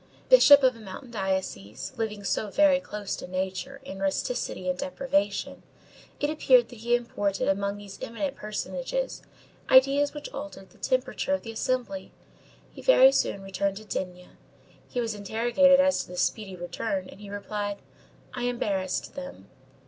Bishop of a mountain diocese, living so very close to nature, in rusticity and deprivation, it appeared that he imported among these eminent personages, ideas which altered the temperature of the assembly. He very soon returned to D—— He was interrogated as to this speedy return, and he replied: _"I embarrassed them.